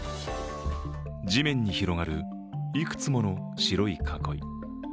地面に広がるいくつもの白い囲い。